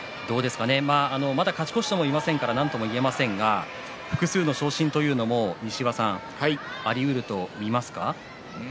まだ勝ち越してもいませんからなんとも言えませんが複数の昇進も西岩さんありうると見ますか。